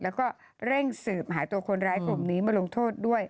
แล้วก็เร่งสืบหาตัวคนร้ายกลุ่มนี้มาลงโทษด้วย